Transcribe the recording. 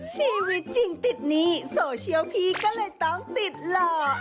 ชีวิตจริงติดหนี้โซเชียลพี่ก็เลยต้องติดหล่อ